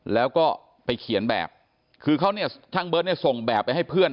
แล้วก็ไปเขียนแบบคือเขาเนี่ยช่างเบิร์ตเนี่ยส่งแบบไปให้เพื่อน